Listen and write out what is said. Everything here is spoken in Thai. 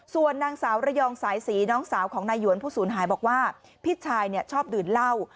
ส่วนนางสาวระยองสายศรีน้องสาวของนายหวนผู้สูญหายบอกว่าพี่ชายชอบดื่มเหล้า